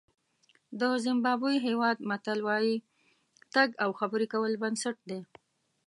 د زیمبابوې هېواد متل وایي تګ او خبرې کول بنسټ دی.